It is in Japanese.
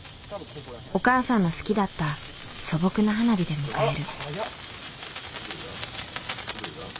お母さんの好きだった素朴な花火で迎える。